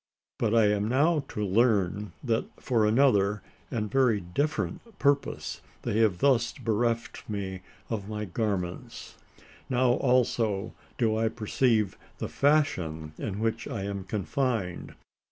But I am now to learn that for another, and very different, purpose have they thus bereft me of my garments. Now also do I perceive the fashion in which I am confined.